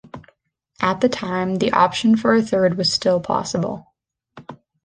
At the time, the option for a third was still possible.